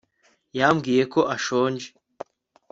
yambwiye ko ashonje